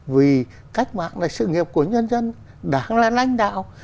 vì cách mạng này sự nghiệp của nhân dân đáng là lãnh đạo